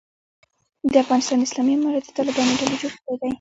د افغانستان اسلامي امارت د طالبانو ډلې جوړ کړی دی.